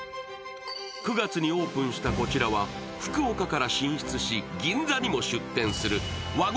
９月にオープンしたこちらは、福岡から進出し、銀座にも出店する和心